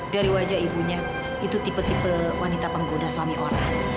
dari wajah ibunya itu tipe tipe wanita penggoda suami orang